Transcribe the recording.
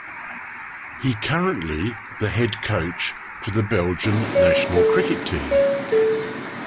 He currently the head coach for the Belgian national cricket team.